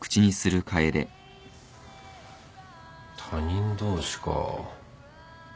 他人同士か。